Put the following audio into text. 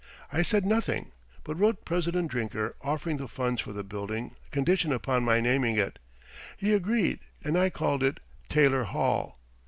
I said nothing, but wrote President Drinker offering the funds for the building conditioned upon my naming it. He agreed, and I called it "Taylor Hall."